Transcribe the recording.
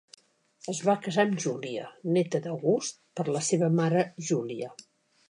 Es va casar amb Júlia, néta d'August per la seva mare Júlia.